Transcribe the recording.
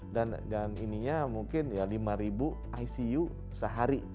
dan dan ininya mungkin ya lima ribu icu sehari